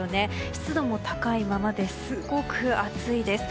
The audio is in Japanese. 湿度も高いままですごく暑いです。